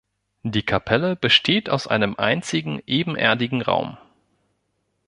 Die Kapelle besteht aus einem einzigen, ebenerdigen Raum.